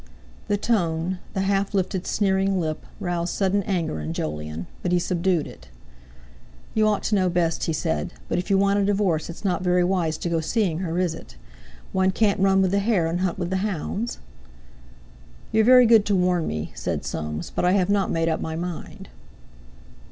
The tone, the half lifted sneering lip, roused sudden anger in Jolyon; but he subdued it. "You ought to know best," he said, "but if you want a divorce it's not very wise to go seeing her, is it? One can't run with the hare and hunt with the hounds?" "You're very good to warn me," said Soames, "but I have not made up my mind."